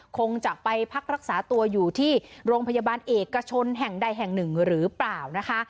คงจะไปพักรักษาตัวอยู่ที่โรงพยาบาลเอกชนแห่งใดแห่งหนึ่งหรือเปล่านะคะ